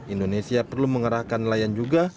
indonesia perlu mengerahkan nelayan juga